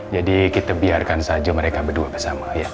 jadi kita biarkan saja mereka berdua bersama ya